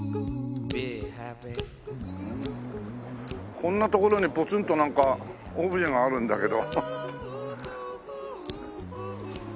こんな所にポツンとなんかオブジェがあるんだけど。